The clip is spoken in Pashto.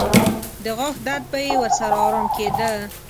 د غاښ درد به یې ورسره ارام کېده.